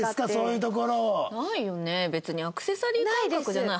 別にアクセサリー感覚じゃない。